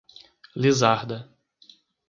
Lizarda